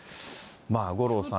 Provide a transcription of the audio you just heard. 五郎さん。